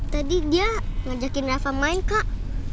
tadi dia ngajakin eva main kak